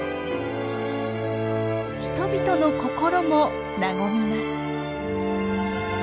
人々の心も和みます。